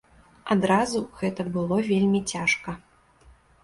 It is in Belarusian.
Адразу гэта было вельмі цяжка.